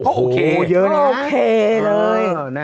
โอ้โหเยอะนะฮะโอเคเลย